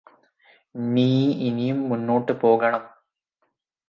നീ ഇനിയും മുന്നോട്ട് പോകണം